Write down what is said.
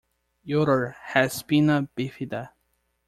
Yoder has spina bifida.